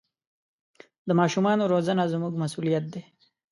د ماشومانو روزنه زموږ مسوولیت دی.